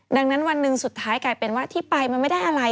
ดังนั้นวันหนึ่งสุดท้ายกลายเป็นว่าที่ไปมันไม่ได้อะไร